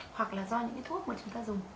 hoặc là do những cái thuốc mà chúng ta dùng